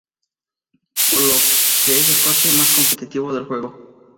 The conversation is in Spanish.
Por lo que es el coche más competitivo del juego.